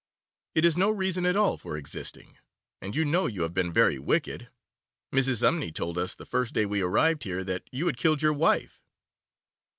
'It is no reason at all for existing, and you know you have been very wicked. Mrs. Umney told us, the first day we arrived here, that you had killed your wife.